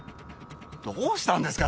どうしたんですか？